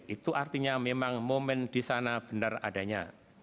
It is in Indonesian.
itu artinya memang momen di sana benar adanya